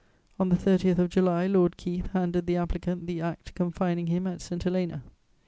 On the 30th of July, Lord Keith handed the applicant the Act confining him at St. Helena.